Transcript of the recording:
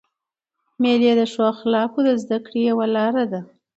مېلې د ښو اخلاقو د زدهکړي یوه لاره ده.